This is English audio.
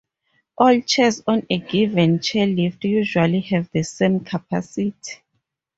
All chairs on a given chairlift usually have the same capacity.